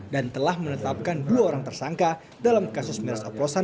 dan telah menetapkan dua orang tersangka dalam kasus keras oplosan